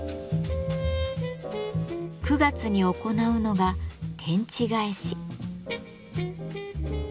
９月に行うのが「天地返し」。